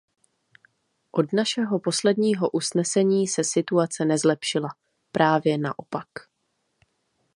Od našeho posledního usnesení se situace nezlepšila; právě naopak.